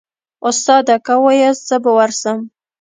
استاده که واياست زه به ورسم.